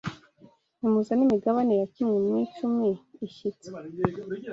Nimuzane imigabane ya kimwe mu icumi ishyitse